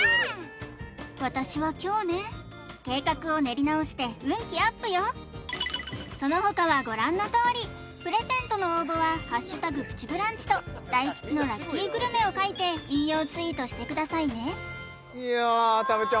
私は凶ね計画を練り直して運気アップよその他はご覧のとおりプレゼントの応募は「＃プチブランチ」と大吉のラッキーグルメを書いて引用ツイートしてくださいねいやたぶっちゃん